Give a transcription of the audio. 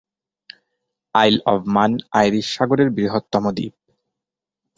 আইল of Man Irish সাগরের বৃহত্তম দ্বীপ।